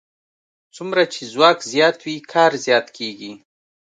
څومره چې ځواک زیات وي کار زیات کېږي.